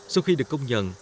sau khi được công nhận